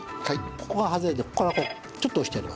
ここが外れてここからこうちょっと押してあげる。